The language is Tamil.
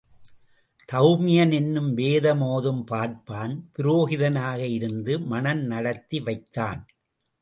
தெளமியன் என்னும் வேதம் ஒதும் பார்ப்பான் புரோகிதனாக இருந்து மணம் நடத்தி வைத்தான்.